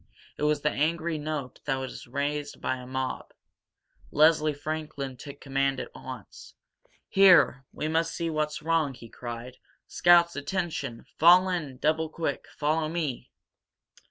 It was the angry note that is raised by a mob. Leslie Franklin took command at once. "Here, we must see what's wrong!" he cried. "Scouts, attention! Fall in! Double quick follow me!"